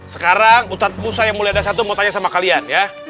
sekarang ustadz musa yang mulia dasar itu mau tanya sama kalian ya